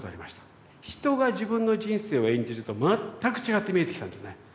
人が自分の人生を演じると全く違って見えてきたんですね。